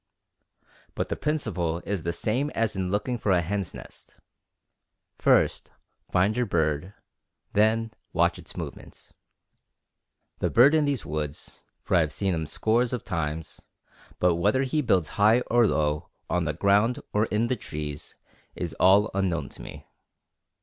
But the principle is the same as in looking for a hen's nest, first find your bird, then watch its movements. The bird is in these woods, for I have seen him scores of times, but whether he builds high or low, on the ground or in the trees, is all unknown to me.